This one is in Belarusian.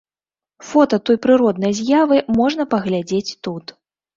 Фота той прыроднай з'явы можна паглядзець тут.